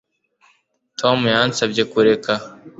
Tom yansabye kureka